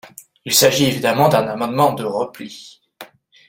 Il s’agit évidemment d’un amendement de repli.